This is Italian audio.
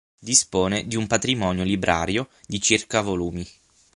Dispone di un patrimonio librario di circa volumi.